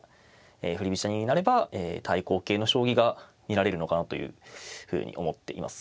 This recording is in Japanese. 振り飛車になれば対抗型の将棋が見られるのかなというふうに思っています。